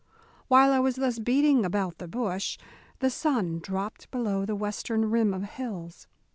While I was thus beating about the bush the sun dropped below the western rim of hills.